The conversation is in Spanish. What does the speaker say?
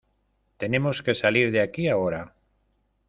Tenemos que salir de aquí ahora.